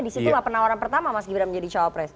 disitulah penawaran pertama mas gibran menjadi cowok pres